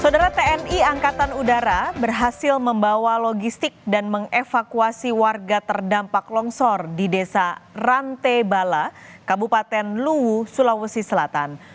saudara tni angkatan udara berhasil membawa logistik dan mengevakuasi warga terdampak longsor di desa rantebala kabupaten luwu sulawesi selatan